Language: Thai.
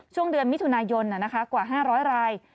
ช่วงเดือนมิถุนายนกว่า๕๐๐ราย